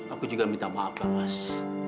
aku juga minta maaf kan mas